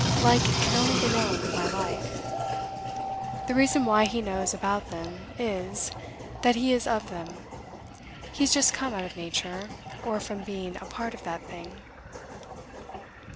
Like can only be known by like. The reason why he knows about them is, that he is of them; he has just come out of nature, or from being a part of that thing.